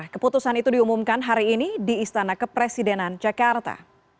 keputusan itu diumumkan hari ini di istana kepresidenan jakarta